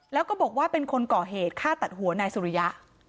แล้วก็บอกว่าเป็นคนก่อเหตุฆ่าตัดหัวนายสุริยะ